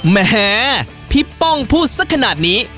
แหมพี่ป้องพูดสักขนาดนี้